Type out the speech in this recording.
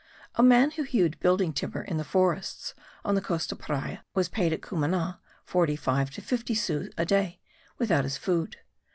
A man who hewed building timber in the forests on the coast of Paria was paid at Cumana 45 to 50 sous a day, without his food.